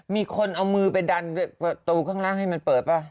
มีคนเอามือไปดันประตูข้างล่างให้มันเปิดป่ะ